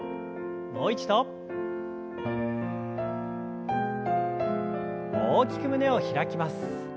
もう一度。大きく胸を開きます。